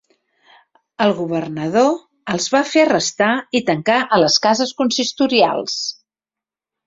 El governador els va fer arrestar i tancar a les cases consistorials.